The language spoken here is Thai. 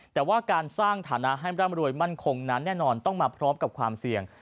แต่ว่าการสร้างฐานะให้ร่ำรวยมั่นคงนั้นแน่นอนต้องมาพร้อมกับความเสี่ยง